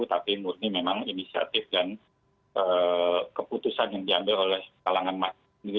tapi murni memang inisiatif dan keputusan yang diambil oleh kalangan